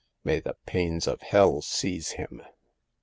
May the pains of hell seize him